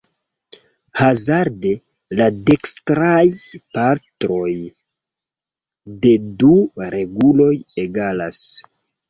Hazarde la dekstraj partoj de du reguloj egalas.